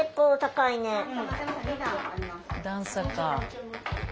段差か。